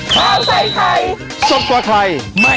โปรดติดตามตอนต่อไป